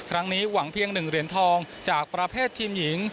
หวังเพียง๑เหรียญทองจากประเภททีมหญิง